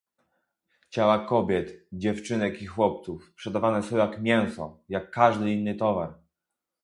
Ciała kobiet, dziewczynek i chłopców sprzedawane są jak mięso, jak każdy inny towar